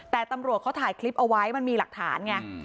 แต่ตำรวจเขาถ่ายคลิปเอาไว้มันมีหลักฐานไง